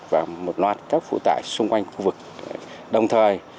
và một loạt các phụ tải